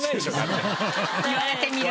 言われてみると。